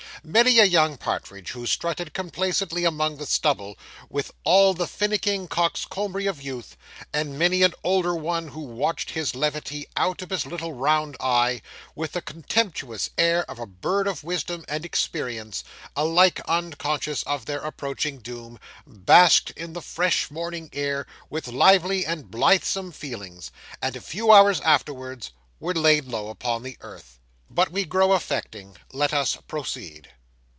Many a young partridge who strutted complacently among the stubble, with all the finicking coxcombry of youth, and many an older one who watched his levity out of his little round eye, with the contemptuous air of a bird of wisdom and experience, alike unconscious of their approaching doom, basked in the fresh morning air with lively and blithesome feelings, and a few hours afterwards were laid low upon the earth. But we grow affecting: let us proceed.